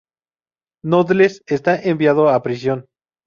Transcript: Noodles es enviado a prisión.